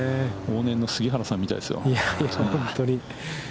往年の杉原さんみたいですよ。